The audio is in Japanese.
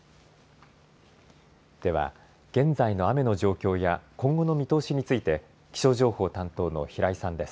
では現在の雨の状況や今後の見通しについて気象情報担当の平井さんです。